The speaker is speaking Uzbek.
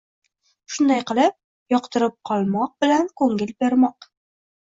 Shunday qilib, “Yoqtirib qolmoq” bilan “Ko’ngil bermoq”